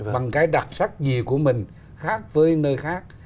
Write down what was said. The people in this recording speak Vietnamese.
bằng cái đặc sắc gì của mình khác với nơi khác